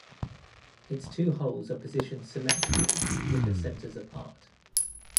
Its two holes are positioned symmetrically, with the centers apart.